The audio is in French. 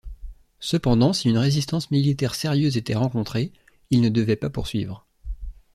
Cependant, si une résistance militaire sérieuse était rencontrée, ils ne devaient pas poursuivre.